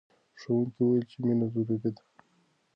ښوونکي وویل چې مینه ضروري ده.